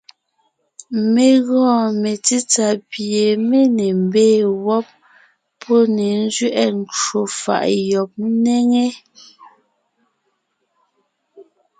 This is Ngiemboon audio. Mé gɔɔn metsítsà pie mé ne mbee wɔ́b, pɔ́ ne nzẅɛʼɛ ncwò faʼ yɔb ńnéŋe,